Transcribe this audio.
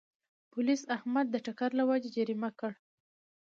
پولیسو احمد د ټکر له وجې جریمه کړ.